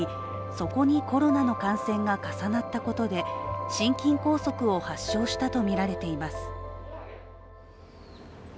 そこにコロナの感染が重なったことで心筋梗塞を発症したとみられています。